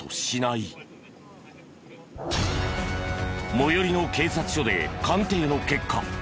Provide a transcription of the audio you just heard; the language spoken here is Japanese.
最寄りの警察署で鑑定の結果